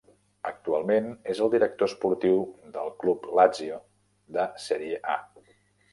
Actualment és el director esportiu del club Lazio, de Sèrie A.